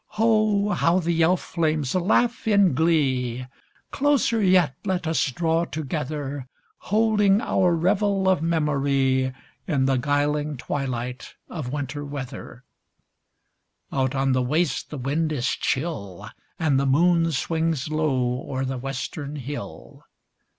Ho! how the elf flames laugh in glee! Closer yet let us draw together, Holding our revel of memory In the guiling twilight of winter weather; Out on the waste the wind is chill. And the moon swings low o'er the western hill.